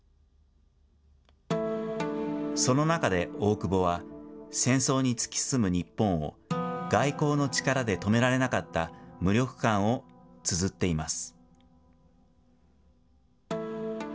その中で大久保は、戦争に突き進む日本を外交の力で止められなかった無力感をつづっています。